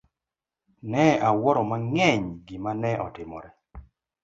Ne awuoro mang'eny gima ne otimore.